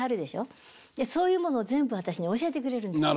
でそういうものを全部私に教えてくれるんですよ。